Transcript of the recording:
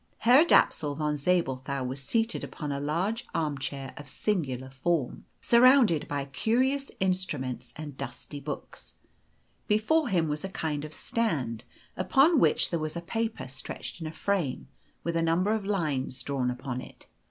Herr Dapsul von Zabelthau was seated upon a large armchair of singular form, surrounded by curious instruments and dusty books. Before him was a kind of stand, upon which there was a paper stretched in a frame, with a number of lines drawn upon it.